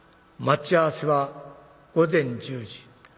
待ち合わせは午前１０時。